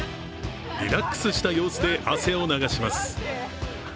リラックスした様子で汗を流します。